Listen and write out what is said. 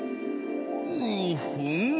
うふん。